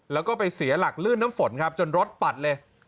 แล้วก็ไปเสียหลักลื่นน้ำฝนครับจนรถปัดเลย